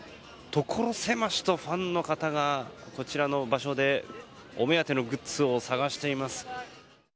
所狭しとファンの方がこちらの場所でお目当てのグッズを探しています。